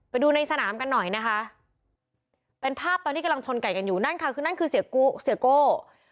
ไปดูในสนามกันหน่อยนะคะเป็นภาพตอนที่กำลังชนไก่กันอยู่นั่นค่ะคือนั่นคือเสียโก้